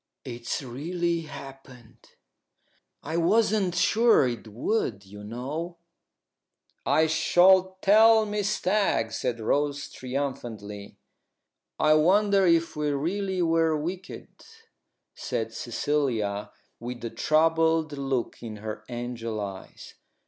"It's really happened. I wasn't sure it would, you know." "I shall tell Miss Stagg," said Rose, triumphantly. "I wonder if we really were wicked," said Cecilia, with a troubled look in her angel eyes.